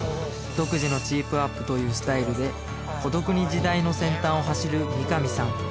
独自のチープアップというスタイルで孤独に時代の先端を走る三上さん